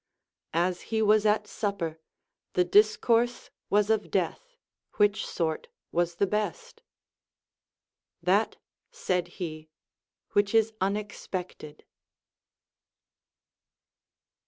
As he was at supper, the discourse was of death, which sort was the best. That, said he, which is unexpected.